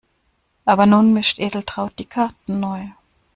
Aber nun mischt Edeltraud die Karten neu.